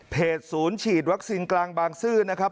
ศูนย์ฉีดวัคซีนกลางบางซื่อนะครับ